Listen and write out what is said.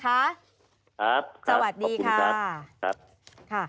ครับขอบคุณครับสวัสดีค่ะ